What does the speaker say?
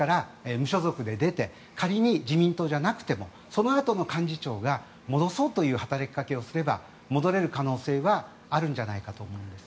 無所属で出て仮に自民党じゃなくてもそのあとの幹事長が戻そうという働きかけをすれば戻れる可能性はあるんじゃないかと思うんです。